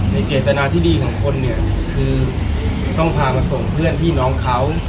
เจตนาที่ดีของคนเนี่ยคือต้องพามาส่งเพื่อนพี่น้องเขา